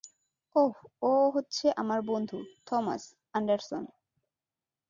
ওহ, ও হচ্ছে আমার বন্ধু, থমাস অ্যান্ডারসন।